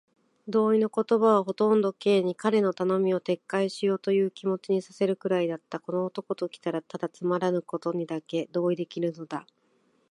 同意の言葉はほとんど Ｋ に、彼の頼みを撤回しようというという気持にさせるくらいだった。この男ときたら、ただつまらぬことにだけ同意できるのだ。